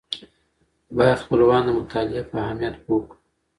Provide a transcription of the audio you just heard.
باید خپلوان د مطالعې په اهمیت پوه کړو.